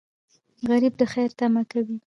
غریب د خیر تمه کوي